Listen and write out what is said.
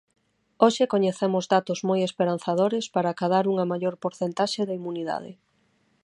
Hoxe coñecemos datos moi esperanzadores para acadar unha maior porcentaxe de inmunidade.